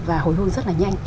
và hồi hương rất là nhanh